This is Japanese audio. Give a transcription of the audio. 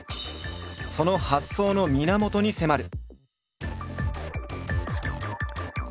その発想の源に迫る！